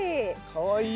かわいい。